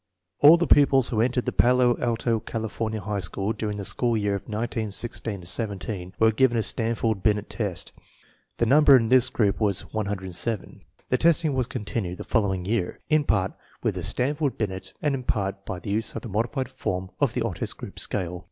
All the pupils who entered the Palo Alto, California, High School during the school year 1916 17 were given a Stanford Binet test. The number in this group was 107. The testing was continued the following year, in part with the Stanford Binet and in part by the use of a modified form of the Otis Group Scale.